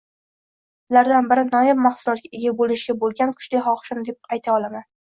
Ulardan biri noyob mahsulotga ega boʻlishga boʻlgan kuchli xohishim, deb ayta olaman.